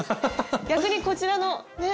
逆にこちらのね